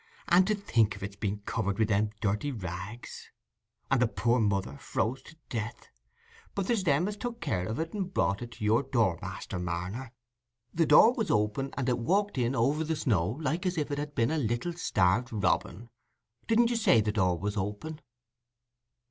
"And to think of its being covered wi' them dirty rags—and the poor mother—froze to death; but there's Them as took care of it, and brought it to your door, Master Marner. The door was open, and it walked in over the snow, like as if it had been a little starved robin. Didn't you say the door was open?"